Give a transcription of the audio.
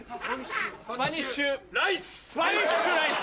スパニッシュライス。